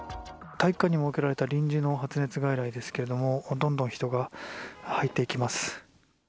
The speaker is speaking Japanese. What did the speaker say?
体育館に設けられた臨時の発熱外来ですがどんどん人が入っていきます。